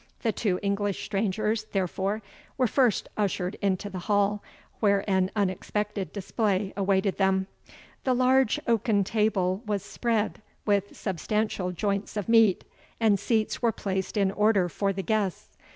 The two English strangers, therefore, were first ushered into the hall, where an unexpected display awaited them. The large oaken table was spread with substantial joints of meat, and seats were placed in order for the guests.